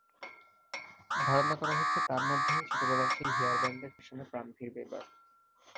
ধারণা করা হচ্ছে, তাঁর মাধ্যমেই ছোটবেলার সেই হেয়ারব্যান্ডের ফ্যাশনে প্রাণ ফিরবে এবার।